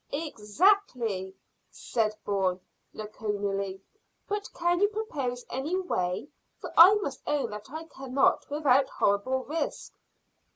"Exactly," said Bourne laconically; "but can you propose any way? For I must own that I cannot without horrible risk."